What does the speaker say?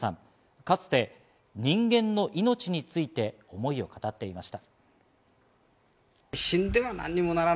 かつて人間の命について思いを語っていました。